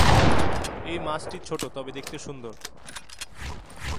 এই মাছটি ছোট তবে দেখতে সুন্দর।